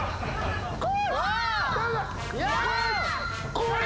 怖い。